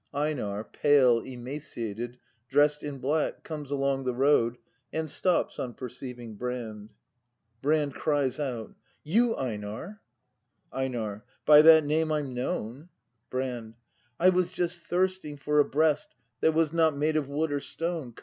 EiNAR, 'pale, emaciated, dressed in black, comes along the road and stops on perceiving Brand. You, Einar? Brand. [Cries out.] Einar. By that name I'm known. Brand. I was just thirsting for a breast That was not made of wood or stone!